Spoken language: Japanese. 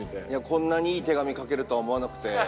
こんなにいい手紙書けるとは思わなくて。